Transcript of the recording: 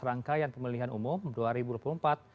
rangkaian pemilihan umum dua ribu dua puluh empat